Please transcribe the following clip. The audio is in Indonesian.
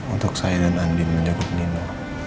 untuk saya dan andien menjaga panino